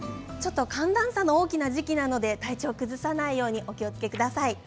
寒暖差が大きい時期なので体調を崩さないようにしてください。